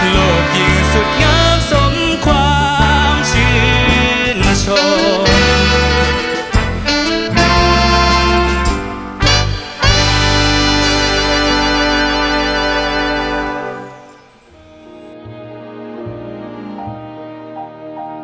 โลกอย่างสุดงามส้มความเชียดมาช่วง